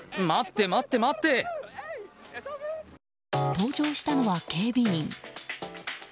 登場したのは警備員。